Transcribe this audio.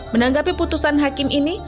menanggapi putusan hakim ini